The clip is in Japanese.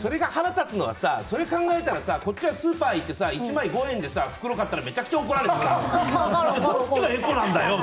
それが腹立つのはさそれ考えたらこっちはスーパー行って１枚５円で袋買ったらめちゃくちゃ怒られるのにさどっちがエコなんだよ！